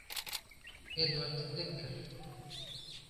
— Эдвард Деккер.